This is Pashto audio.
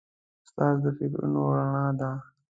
استاد د فکرونو رڼا ده.